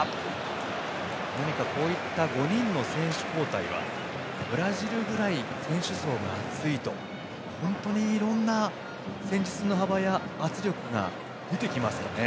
５人の選手交代はブラジルぐらい選手層が厚いと本当にいろんな戦術の幅や圧力が出てきますよね。